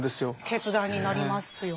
決断になりますよね。